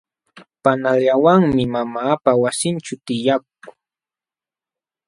Panallawanmi mamaapa wasinćhuu tiyakuu.